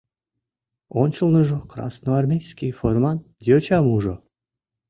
Ончылныжо красноармейский форман йочам ужо.